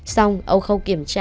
xong ông không kiểm tra